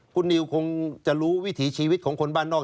คุณนิวคงจะรู้วิถีชีวิตของคนบ้านนอก